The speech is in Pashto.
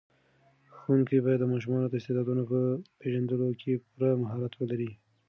ښوونکي باید د ماشومانو د استعدادونو په پېژندلو کې پوره مهارت ولري.